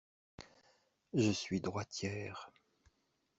Je suis droitière.